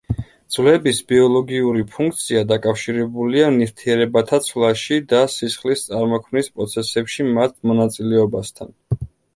ძვლების ბიოლოგიური ფუნქცია დაკავშირებულია ნივთიერებათა ცვლაში და სისხლის წარმოქმნის პროცესებში მათ მონაწილეობასთან.